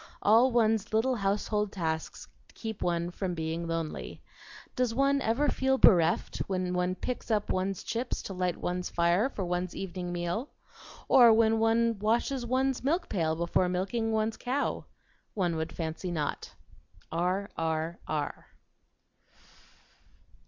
All one's little household tasks keep one from being lonely. Does one ever feel bereft when one picks up one's chips to light one's fire for one's evening meal? Or when one washes one's milk pail before milking one's cow? One would fancy not. R. R. R.